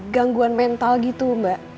gangguan mental gitu mbak